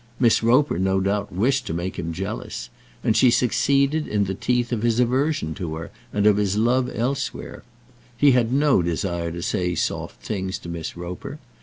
Miss Roper, no doubt, wished to make him jealous; and she succeeded in the teeth of his aversion to her and of his love elsewhere. He had no desire to say soft things to Miss Roper.